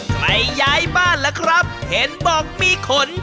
ย้ายบ้านล่ะครับเห็นบอกมีขน